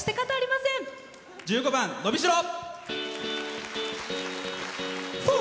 １５番「のびしろ」。